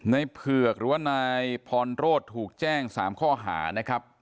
ในเผือกหรือว่าในพรรดศ์ถูกแจ้งสามข้อหานะครับ